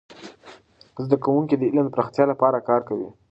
زده کوونکي د علم د پراختیا لپاره کار کوي.